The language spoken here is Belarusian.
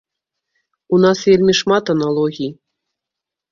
У нас вельмі шмат аналогій.